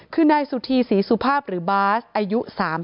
คือนายสุธีศรีสุภาพหรือบาสอายุ๓๐